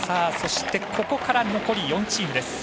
そして、ここから残り４チーム。